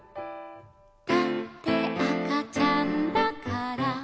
「だってあかちゃんだから」